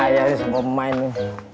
baya nih semua mainnya